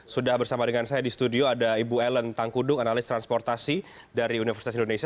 sudah bersama dengan saya di studio ada ibu ellen tangkudung analis transportasi dari universitas indonesia